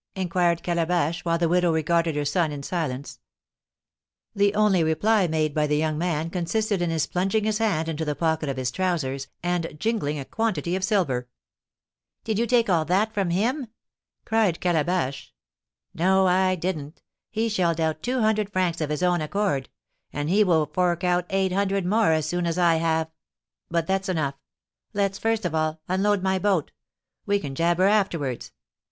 inquired Calabash, while the widow regarded her son in silence. The only reply made by the young man consisted in his plunging his hand into the pocket of his trousers, and jingling a quantity of silver. "Did you take all that from him?" cried Calabash. "No, I didn't; he shelled out two hundred francs of his own accord; and he will fork out eight hundred more as soon as I have But that's enough; let's, first of all, unload my boat; we can jabber afterwards.